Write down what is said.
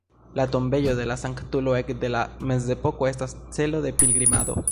La tombejo de la sanktulo ekde la mezepoko estas celo de pilgrimado.